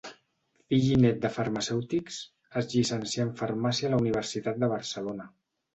Fill i nét de farmacèutics, es llicencià en farmàcia a la Universitat de Barcelona.